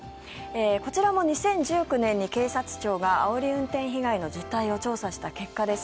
こちらも２０１９年に警察庁があおり運転被害の実態を調査した結果です。